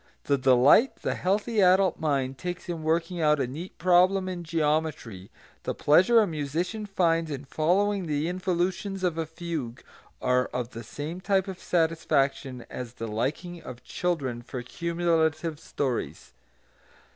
The delight the healthy adult mind takes in working out a neat problem in geometry, the pleasure a musician finds in following the involutions of a fugue, are of the same type of satisfaction as the liking of children for cumulative stories.